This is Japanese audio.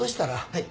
はい。